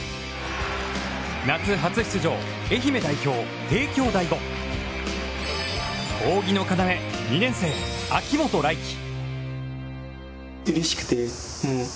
夏初出場、愛媛代表の帝京第五扇の要、２年生秋元来祈。